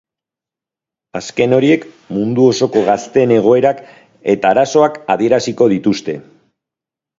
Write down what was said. Azken horiek mundu osoko gazteen egoerak eta arazoak adieraziko dituzte.